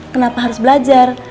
kenapa harus belajar